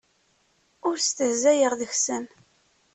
Ur stehzayeɣ deg-sen.